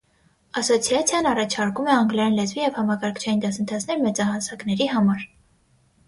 Ասոցիացիան առաջարկում է անգլերեն լեզվի և համակարգչային դասընթացներ մեծահասակների համար։